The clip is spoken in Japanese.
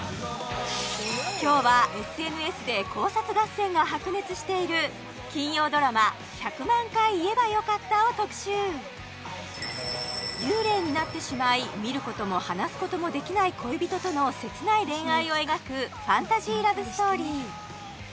今日はＳＮＳで考察合戦が白熱している金曜ドラマ「１００万回言えばよかった」を特集幽霊になってしまい見ることも話すこともできない恋人との切ない恋愛を描くファンタジーラブストーリー